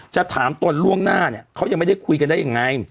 จะถามตนล่วงหน้าเนี่ยเขายังไม่ได้คุยกันได้ยังไง